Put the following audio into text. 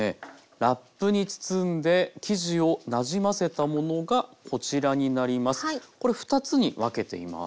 ラップに包んで生地をなじませたものがこちらになります。